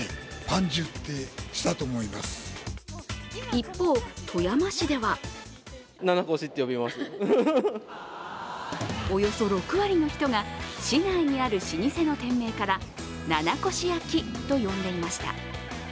一方、富山市ではおよそ６割の人が市内にある老舗の店名から七越焼きと呼んでいました。